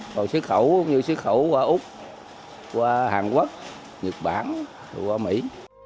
còn xuất khẩu cũng như xuất khẩu qua úc qua hàn quốc nhật bản qua mỹ